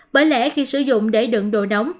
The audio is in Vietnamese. bởi lẽ khi sử dụng để đựng đồ nóng